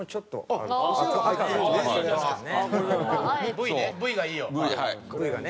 ＶねＶがいいよ。